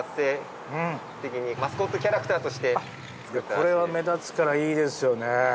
これは目立つからいいですよね。